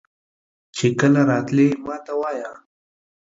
چې کله راتلې ماته وایه.